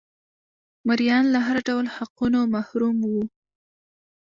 مریان له هر ډول حقونو محروم وو.